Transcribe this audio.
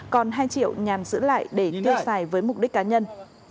còn hai triệu nhàn giữ lại để tiêu xài với mục đích cá nhân